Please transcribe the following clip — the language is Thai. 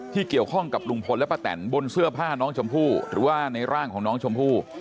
เกี่ยวข้องกับลุงพลและป้าแตนบนเสื้อผ้าน้องชมพู่หรือว่าในร่างของน้องชมพู่